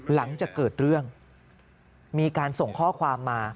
หลังจากเกิดเรื่องมีการส่งข้อความมา